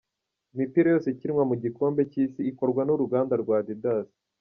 Imipira yose ikinwa mu gikombe cy’isi ikorwa n’uruganda rwa Adidas.